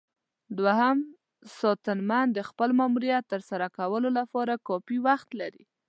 دوهم ساتنمن د خپل ماموریت ترسره کولو لپاره کافي وخت لري.